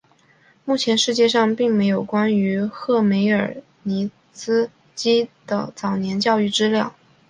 目前世界上并没有关于赫梅尔尼茨基的早年教育的资料。